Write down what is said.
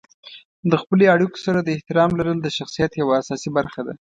د خپلې اړیکو سره د احترام لرل د شخصیت یوه اساسي برخه ده.